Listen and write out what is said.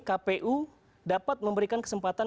kpu dapat memberikan kesempatan